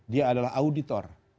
dia adalah auditor